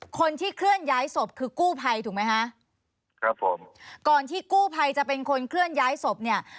คนที่เคลื่อนย้ายศพคือกู้ภัยถูกไหมฮะครับผมก่อนที่กู้ภัยจะเป็นคนเคลื่อนย้ายศพเนี่ย